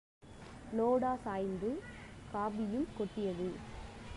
லோடா சாய்ந்து காபியுங் கொட்டியது.